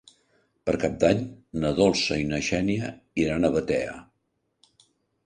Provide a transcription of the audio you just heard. Per Cap d'Any na Dolça i na Xènia iran a Batea.